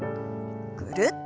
ぐるっと。